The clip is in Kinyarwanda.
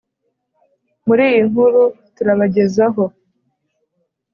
muri iyi nkuru turabagezaho